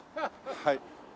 はい。